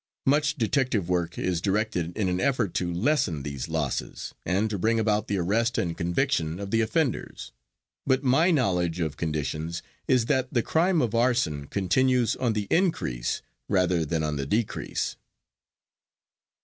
Much detective work is directed in an effort to lessen these losses, and to bring about the arrest and conviction of the offenders, but my knowledge of conditions is that the crime of arson continues on the increase rather than on the decrease.